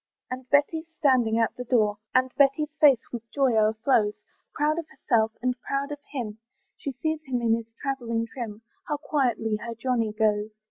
And Betty's standing at the door, And Betty's face with joy o'erflows, Proud of herself, and proud of him, She sees him in his travelling trim; How quietly her Johnny goes.